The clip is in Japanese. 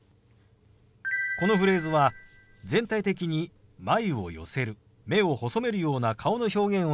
このフレーズは全体的に眉を寄せる目を細めるような顔の表現をつけるのがポイントです。